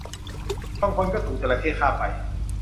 บางคนก็ถูกจระเข้คาบไป